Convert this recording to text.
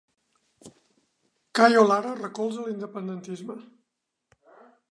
Cayo Lara recolza l'independentisme